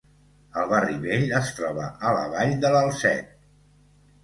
El barri vell es troba a la vall de l'Alzette.